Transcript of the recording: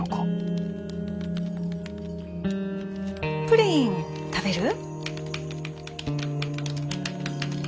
プリン食べる？